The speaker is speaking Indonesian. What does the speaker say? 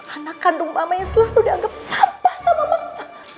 anak kandung mama yang selalu dianggap sampah sama mama